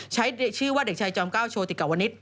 ใช้ชื่อว่าเด็กชายจอมเก้าโชติกาวนิต